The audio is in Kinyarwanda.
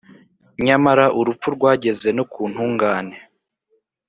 Nyamara urupfu rwageze no ku ntungane,